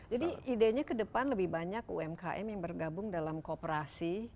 jadi idenya ke depan lebih banyak umkm yang bergabung dalam kooperasi